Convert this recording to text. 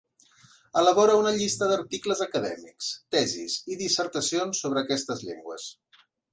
Elabora una llista d'articles acadèmics, tesis i dissertacions sobre aquestes llengües.